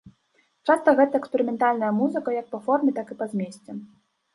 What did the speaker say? Часта гэта эксперыментальная музыка, як па форме, так і па змесце.